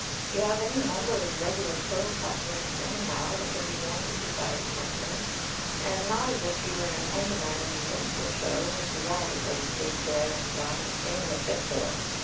You have any number of regular pearl cuff links, anyhow, that can be worn to society functions, and not as if you were an end man in a minstrel show, which is all that those big, glaring diamond things are fit for!